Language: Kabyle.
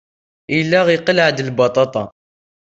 Yella iqelleɛ-d lbaṭaṭa.